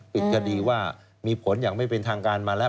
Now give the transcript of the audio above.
ปิดคดีว่ามีผลอย่างไม่เป็นทางการมาแล้ว